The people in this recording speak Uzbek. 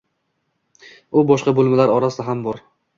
U boshqa bo‘limlar orasida ham bor.